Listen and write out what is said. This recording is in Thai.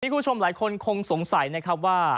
คุณผู้ชมหลายคนคงสงสัยนะครับว่า